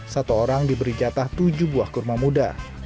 satu orang diberi jatah tujuh buah kurma muda